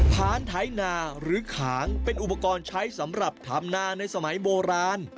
ฐานไถนาหรือขางเป็นอุปกรณ์ใช้สำหรับทำนาในสมัยโบราณ